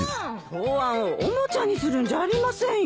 答案をおもちゃにするんじゃありませんよ。